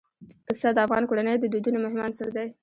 پسه د افغان کورنیو د دودونو مهم عنصر دی.